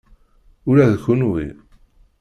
Ula d kenwi.